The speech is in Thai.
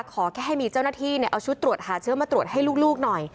ขอแค่ให้มีเจ้าหน้าที่เอาชุดตรวจหาเชื้อมาตรวจให้ลูกหน่อย